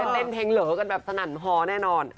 เล่นเพลงเหลอกันแบบสนั่นฮอแน่นอน